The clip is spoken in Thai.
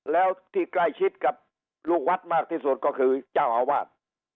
แล้วที่ใกล้ชิดกับลูกวัดมากที่สุดก็คือเจ้าอาวาส